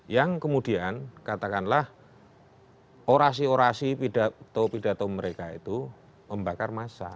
yang kemudian katakanlah orasi orasi pidato pidato mereka itu membakar massa